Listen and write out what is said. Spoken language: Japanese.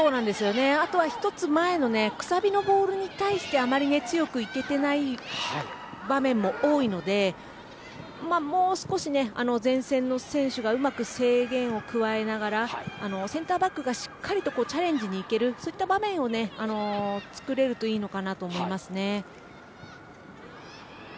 あとは１つ前のくさびのボールにあまり強く行けていない場面も多いのでもう少し前線の選手がうまく制限を加えながらセンターバックがしっかりチャレンジに行けるそういった場面を作れるといいのかなと思います。